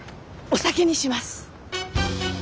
お酒にします！